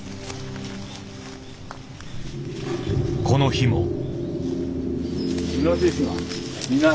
この日も。